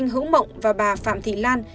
hữu mộng và bà phạm thị lan